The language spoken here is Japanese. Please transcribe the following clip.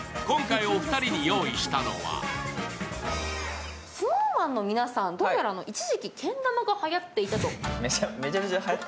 今回お二人に用意したのはＳｎｏｗＭａｎの皆さん、どうやら一時期けん玉がはやっていたと？